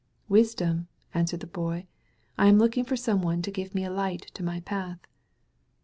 "Wisdom, answered the Boy. "I am looking for some one to give a li^t to my path.